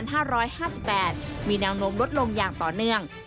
ในปี๒๕๕๑๒๕๕๘มีแนวโน้มลดลงอย่างต่อเนื่อง